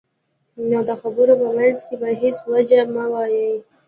نو د خبرو په منځ کې په هېڅ وجه مه وایئ.